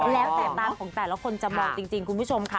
แล้วแต่ตาของแต่ละคนจะมองจริงคุณผู้ชมค่ะ